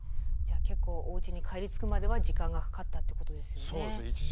じゃあ結構おうちに帰り着くまでは時間がかかったっていうことですよね。